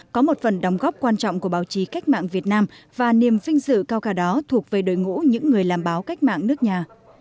có một phần đóng góp quan trọng của báo chí cách mạng việt nam và niềm vinh dự cao cả đó thuộc về đội ngũ những người làm báo cách mạng nước nhà